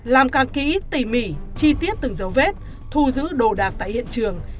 làm càng kỹ tỉ mỉ chi tiết từng dấu vết thu giữ đồ đạc tại hiện trường